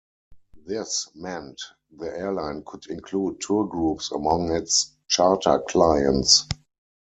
This meant the airline could include tour groups among its charter clients.